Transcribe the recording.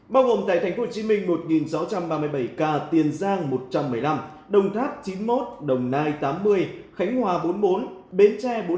bao gồm tại tp hcm một sáu trăm ba mươi bảy ca tiền giang một trăm một mươi năm đồng tháp chín mươi một đồng nai tám mươi khánh hòa bốn mươi bốn bến tre bốn mươi